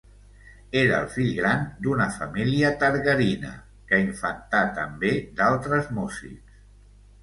Era el fill gran d’una família targarina que infantà també d’altres músics.